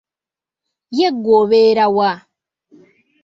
Ye ggwe obeera wa?